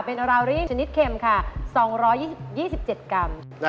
เป็นราวรี่ชนิดเข็มค่ะ๒๒๗กรัม